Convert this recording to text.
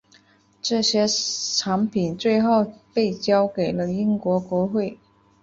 这些藏品最后被交给了英国国会。